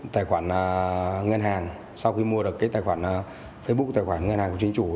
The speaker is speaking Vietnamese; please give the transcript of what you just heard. tài khoản ngân hàng sau khi mua được cái tài khoản facebook tài khoản ngân hàng của chính chủ